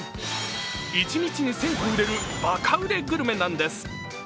一日に１０００個売れるばか売れグルメなんです。